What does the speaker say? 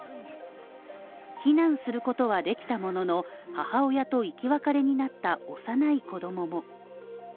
避難することはできたものの、母親と生き別れになった幼い子供も。